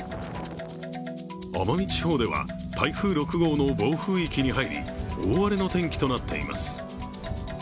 奄美地方では台風６号の暴風域に入り大荒れの天気となっています。